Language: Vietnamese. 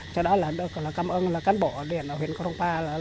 cho đó là cảm ơn cán bộ điện ở huyện krongpa